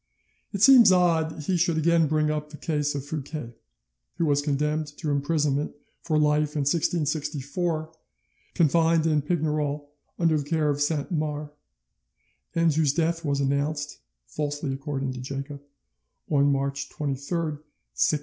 It seems odd that he should again bring up the case of Fouquet, who was condemned to imprisonment for life in 1664, confined in Pignerol under the care of Saint Mars, and whose death was announced (falsely according to Jacob) on March 23rd, 1680.